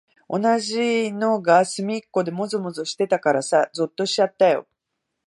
同じのがすみっこでもぞもぞしてたからさ、ぞっとしちゃったよ。